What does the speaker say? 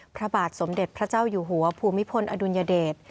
พระบาทสมเด็จพระเจ้าอยู่หัวภูมิพลอดุลยเดช